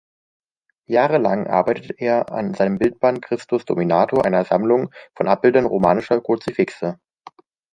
Jahrelang arbeitete er an seinem Bildband "Christus Dominator", einer Sammlung von Abbildern romanischer Kruzifixe.